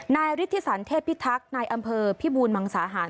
นายฤทธิสันเทพิทักษ์นายอำเภอพิบูรมังสาหาร